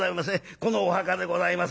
このお墓でございます」。